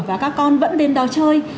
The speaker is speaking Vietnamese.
và các con vẫn đến đó chơi